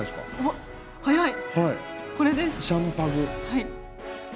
はい。